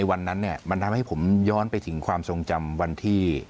วันนั้นมันทำให้ผมย้อนไปถึงความทรงจำวันที่